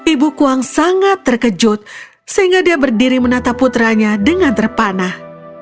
ibu kuang sangat terkejut sehingga dia berdiri menata putranya dengan terpanah